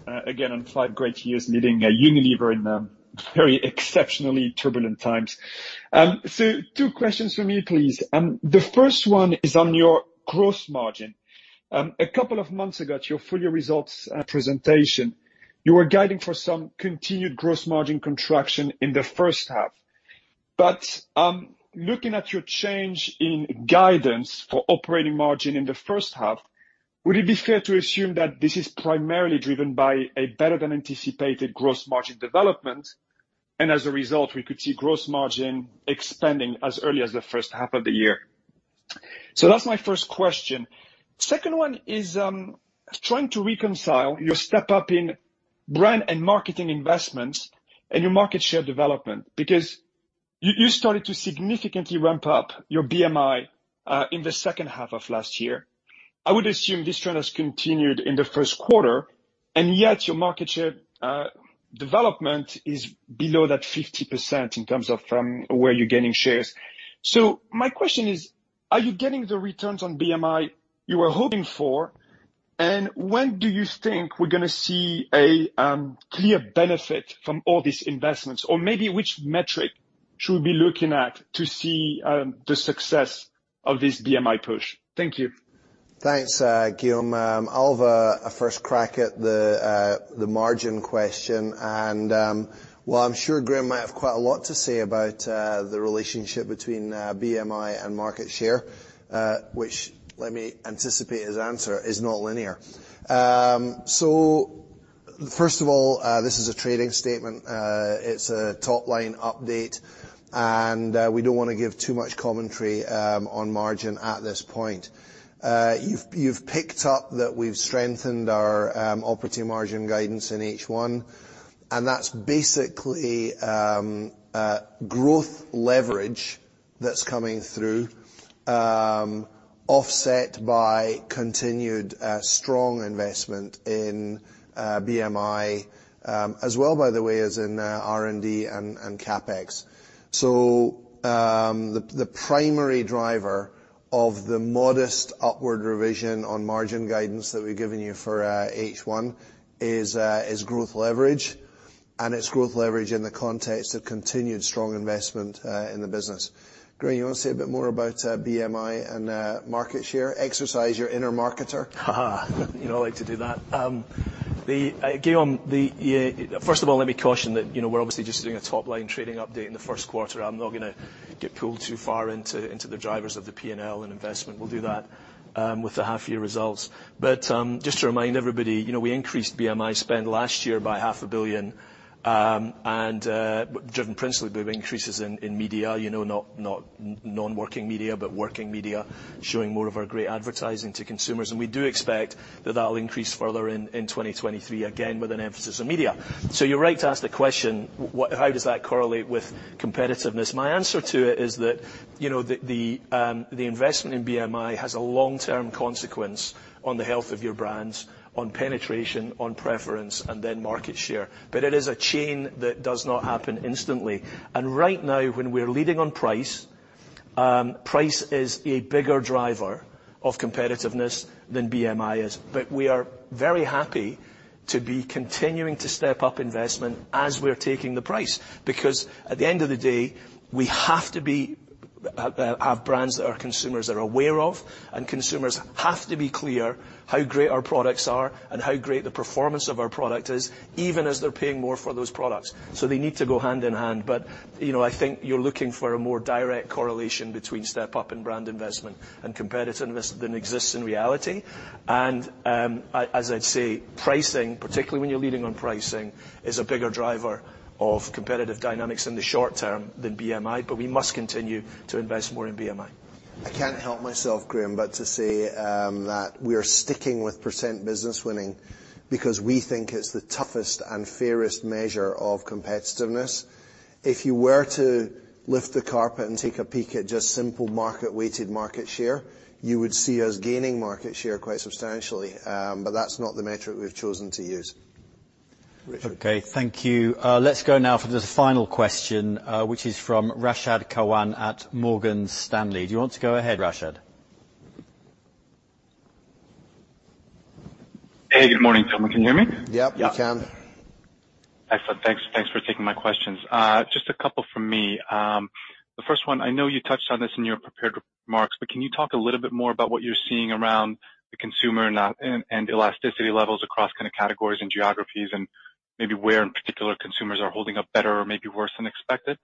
Again, on five great years leading Unilever in very exceptionally turbulent times. Two questions from me, please. The first one is on your gross margin. A couple of months ago at your full year results presentation, you were guiding for some continued gross margin contraction in the H1. Looking at your change in guidance for operating margin in the H1, would it be fair to assume that this is primarily driven by a better than anticipated gross margin development? As a result, we could see gross margin expanding as early as the H1 of the year? That's my first question. Second one is, trying to reconcile your step-up in brand and marketing investments and your market share development. You started to significantly ramp up your BMI in the second half of last year. I would assume this trend has continued in the Q1, and yet, your market share development is below that 50% in terms of where you're gaining shares. My question is, are you getting the returns on BMI you were hoping for, and when do you think we're going to see a clear benefit from all these investments? Or maybe which metric should we be looking at to see the success of this BMI push? Thank you. Thanks, Guillaume. I'll have a first crack at the margin question and, while I'm sure Graeme might have quite a lot to say about the relationship between BMI and market share, which, let me anticipate his answer, is not linear. First of all, this is a trading statement, it's a top-line update, we don't want to give too much commentary on margin at this point. You've picked up that we've strengthened our operating margin guidance in H1, that's basically a growth leverage that's coming through, offset by continued strong investment in BMI, as well by the way as in R&D and CapEx. The primary driver of the modest upward revision on margin guidance that we've given you for H1 is growth leverage, and it's growth leverage in the context of continued strong investment in the business. Graeme, you want to say a bit more about BMI and market share? Exercise your inner marketer. You know I like to do that. Guillaume, first of all, let me caution that, you know, we're obviously just doing a top-line trading update in the Q1. I'm not going to get pulled too far into the drivers of the P&L and investment. We'll do that with the half-year results. Just to remind everybody, you know, we increased BMI spend last year by half a billion, and driven principally by increases in media. You know, not non-working media, but working media, showing more of our great advertising to consumers, and we do expect that that will increase further in 2023, again with an emphasis on media. You're right to ask the question, what, how does that correlate with competitiveness? My answer to it is that, you know, the investment in BMI has a long-term consequence on the health of your brands, on penetration, on preference, and then market share. It is a chain that does not happen instantly, and right now, when we're leading on price is a bigger driver of competitiveness than BMI is. We are very happy to be continuing to step up investment as we're taking the price. At the end of the day, we have to be have brands that our consumers are aware of, and consumers have to be clear how great our products are and how great the performance of our product is, even as they're paying more for those products. They need to go hand in hand, but, you know, I think you're looking for a more direct correlation between step-up in brand investment and competitiveness than exists in reality. As I'd say, pricing, particularly when you're leading on pricing, is a bigger driver of competitive dynamics in the short term than BMI, but we must continue to invest more in BMI. I can't help myself, Graeme, but to say that we are sticking with % business winning because we think it's the toughest and fairest measure of competitiveness. If you were to lift the carpet and take a peek at just simple market, weighted market share, you would see us gaining market share quite substantially, but that's not the metric we've chosen to use. Richard. Okay, thank you. let's go now for the final question, which is from Rashad Kawan at Morgan Stanley. Do you want to go ahead, Rashad? Hey, good morning, gentlemen. Can you hear me? Yep, we can. Yep. Excellent. Thanks for taking my questions. Just a couple from me. The first one, I know you touched on this in your prepared remarks, but can you talk a little bit more about what you're seeing around the consumer and elasticity levels across kind of categories and geographies, and maybe where in particular consumers are holding up better or maybe worse than expected?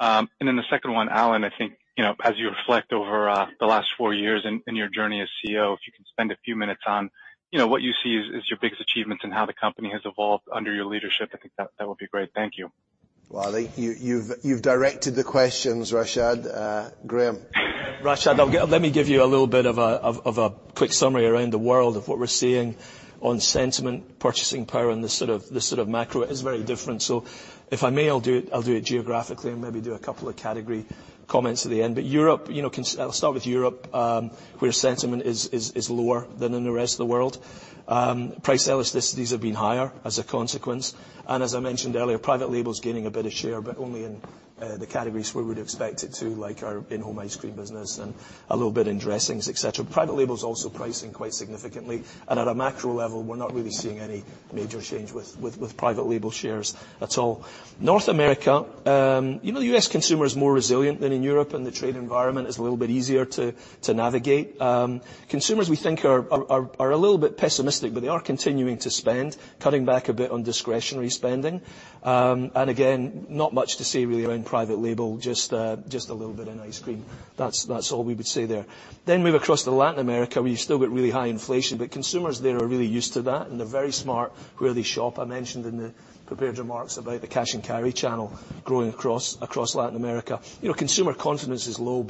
Then the second one, Alan, I think, you know, as you reflect over the last four years in your journey as CEO, if you can spend a few minutes on, you know, what you see as your biggest achievements and how the company has evolved under your leadership, I think that would be great. Thank you. Well, I think you've, you've directed the questions, Rashad. Graeme? Rashad, let me give you a little bit of a quick summary around the world of what we're seeing on sentiment, purchasing power, and the sort of macro is very different. If I may, I'll do it geographically and maybe do a couple of category comments at the end. Europe, you know, I'll start with Europe, where sentiment is lower than in the rest of the world. Price elasticities have been higher as a consequence, and as I mentioned earlier, private label's gaining a bit of share, but only in the categories where we'd expect it to, like our in-home ice cream business and a little bit in dressings, et cetera. Private label's also pricing quite significantly. At a macro level, we're not really seeing any major change with private label shares at all. North America, you know, the US consumer is more resilient than in Europe. The trade environment is a little bit easier to navigate. Consumers, we think, are a little bit pessimistic. They are continuing to spend, cutting back a bit on discretionary spending. Again, not much to say really around private label, just a little bit in ice cream. That's all we would say there. Move across to Latin America, where you've still got really high inflation. Consumers there are really used to that. They're very smart where they shop. I mentioned in the prepared remarks about the cash and carry channel growing across Latin America. You know, consumer confidence is low.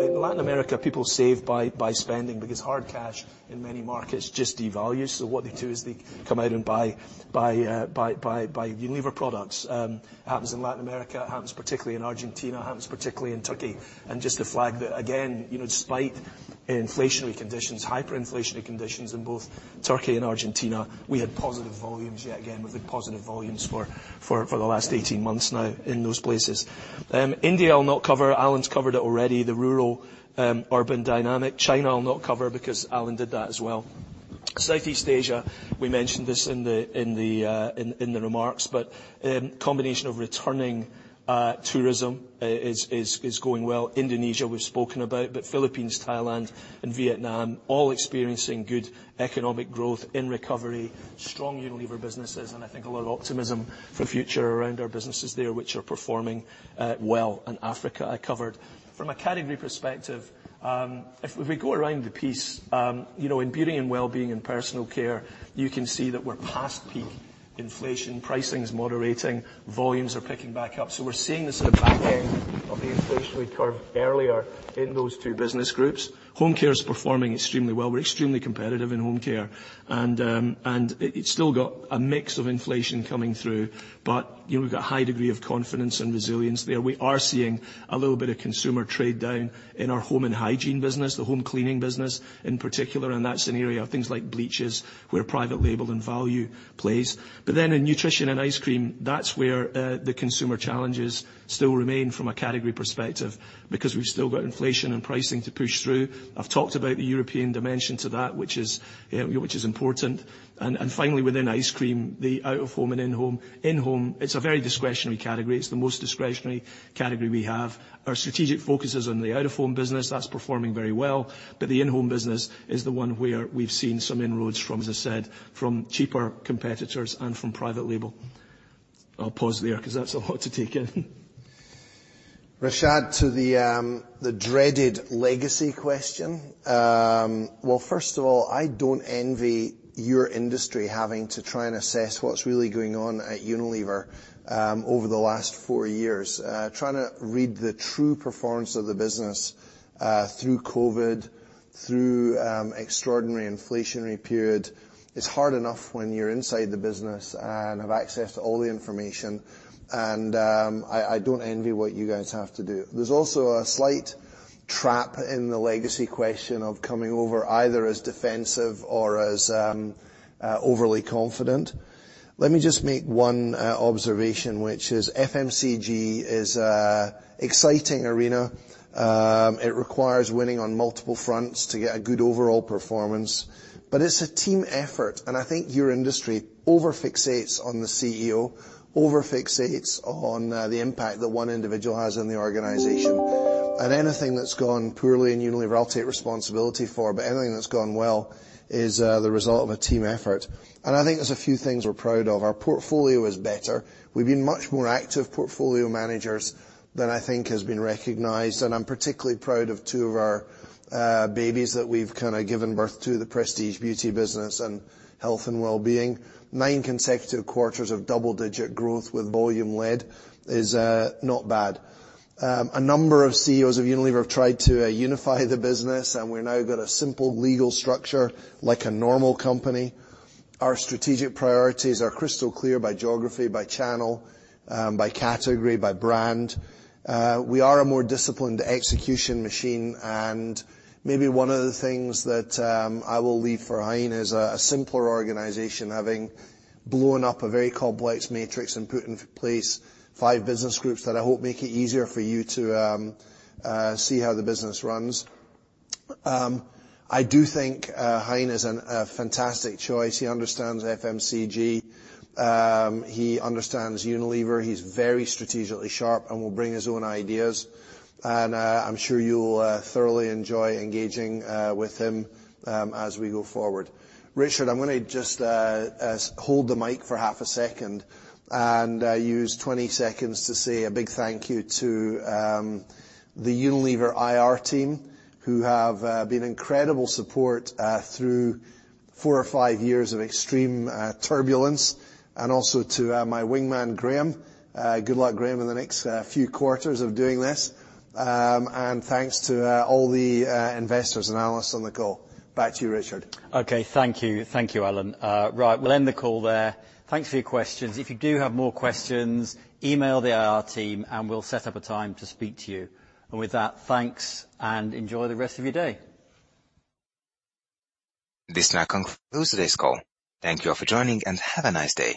In Latin America, people save by spending, because hard cash in many markets just devalues. What they do is they come out and buy Unilever products. Happens in Latin America, happens particularly in Argentina, happens particularly in Turkey. Just to flag that again, you know, despite inflationary conditions, hyperinflationary conditions in both Turkey and Argentina, we had positive volumes yet again. We've had positive volumes for the last 18 months now in those places. India, I'll not cover. Alan's covered it already, the rural urban dynamic. China, I'll not cover because Alan did that as well. Southeast Asia, we mentioned this in the remarks, combination of returning tourism is going well. Indonesia, we've spoken about, but Philippines, Thailand and Vietnam all experiencing good economic growth in recovery. Strong Unilever businesses and I think a lot of optimism for future around our businesses there, which are performing well in Africa. I covered from a category perspective, if we go around the piece, you know, in Beauty & Wellbeing and Personal Care, you can see that we're past peak inflation. Pricing is moderating. Volumes are picking back up, so we're seeing the sort of back end of the inflationary curve earlier in those two business groups. Home Care is performing extremely well. We're extremely competitive in Home Care and it's still got a mix of inflation coming through. You know, we've got a high degree of confidence and resilience there. We are seeing a little bit of consumer trade down in our Home and Hygiene business, the home cleaning business in particular, and that's an area of things like bleaches where private label and value plays. In Nutrition and Ice Cream, that's where the consumer challenges still remain from a category perspective because we've still got inflation and pricing to push through. I've talked about the European dimension to that which is, you know, which is important. And finally, within Ice Cream, the out of home and in-home. It's a very discretionary category. It's the most discretionary category we have. Our strategic focus is on the out of home business that's performing very well, but the in-home business is the one where we've seen some inroads from, as I said, from cheaper competitors and from private label. I'll pause there 'cause that's a lot to take in. Rashad, to the dreaded legacy question. Well, first of all, I don't envy your industry having to try and assess what's really going on at Unilever over the last four years. Trying to read the true performance of the business, through COVID, through extraordinary inflationary period is hard enough when you're inside the business and have access to all the information. I don't envy what you guys have to do. There's also a slight trap in the legacy question of coming over either as defensive or as overly confident. Let me just make 1 observation, which is FMCG is a exciting arena. It requires winning on multiple fronts to get a good overall performance, but it's a team effort. I think your industry over-fixates on the CEO, over-fixates on the impact that one individual has in the organization. Anything that's gone poorly in Unilever, I'll take responsibility for. Anything that's gone well is the result of a team effort. I think there's a few things we're proud of. Our portfolio is better. We've been much more active portfolio managers than I think has been recognized. I'm particularly proud of two of our babies that we've kind of given birth to, the Prestige Beauty business and Health and Wellbeing. Nine consecutive quarters of double-digit growth with volume lead is not bad. A number of CEOs of Unilever have tried to unify the business. We now got a simple legal structure like a normal company. Our strategic priorities are crystal clear by geography, by channel, by category, by brand. We are a more disciplined execution machine. Maybe one of the things that I will leave for Hein is a simpler organization, having blown up a very complex matrix and put in place five business groups that I hope make it easier for you to see how the business runs. I do think Hein is a fantastic choice. He understands FMCG. He understands Unilever. He's very strategically sharp and will bring his own ideas. I'm sure you'll thoroughly enjoy engaging with him as we go forward. Richard, I'm going to just hold the mic for half a second and use 20 seconds to say a big thank you to the Unilever IR team who have been incredible support through four or five years of extreme turbulence, and also to my wingman, Graeme. Good luck, Graeme, in the next few quarters of doing this. Thanks to all the investors and analysts on the call. Back to you, Richard. Okay, thank you. Thank you, Alan. Right. We'll end the call there. Thanks for your questions. If you do have more questions, email the IR team, and we'll set up a time to speak to you. With that, thanks, and enjoy the rest of your day. This now concludes today's call. Thank you for joining, and have a nice day.